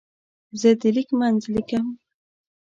زه د لیک منځ لیکم.